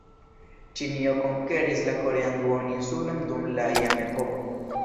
Ĉinio konkeris la korean duoninsulon dum la Han-epoko.